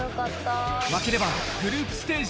負ければグループステージ